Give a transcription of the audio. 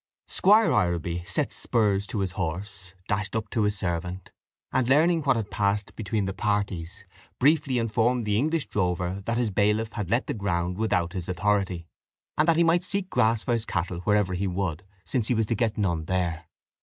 Squire Ireby set spurs to his horse, dashed up to his servant, and learning what had passed between the parties, briefly informed the English drover that his bailiff had let the ground without his authority, and that he might seek grass for his cattle wherever he would, since he was to get none there.